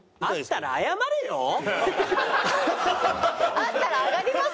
あったら上がります？